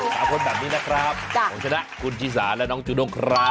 ค่ะทั้งเป็นแบบนี้แหละครับสาของชนะล่ะคุณชิสาและน้องจุดงท์ครับ